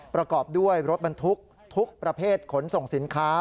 ประกอบด้วยรถบรรทุกทุกประเภทขนส่งสินค้า